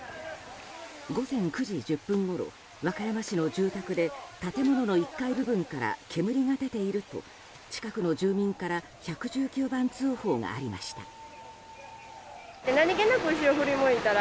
午前９時１０分ごろ和歌山市の住宅で建物の１階部分から煙が出ていると近くの住民から１１９番通報がありました。